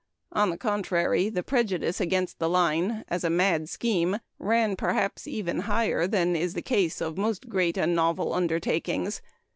On the contrary, the prejudice against the line as a "mad scheme" ran perhaps even higher than in the case of most great and novel undertakings.